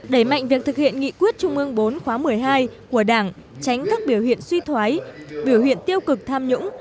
đẩy mạnh việc thực hiện nghị quyết trung ương bốn khóa một mươi hai của đảng tránh các biểu hiện suy thoái biểu hiện tiêu cực tham nhũng